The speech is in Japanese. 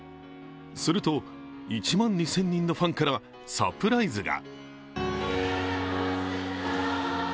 すると、１万２０００人のファンからサプライズが。